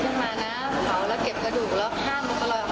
ทุกอย่างในตัวผมก็เป็นครึ่งหนึ่งของพ่อของแม่